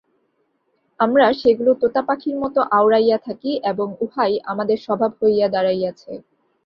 আমরা সেগুলি তোতাপাখীর মত আওড়াইয়া থাকি এবং উহাই আমাদের স্বভাব হইয়া দাঁড়াইয়াছে।